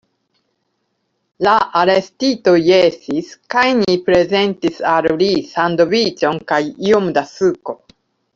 La arestito jesis, kaj ni prezentis al li sandviĉon kaj iom da suko.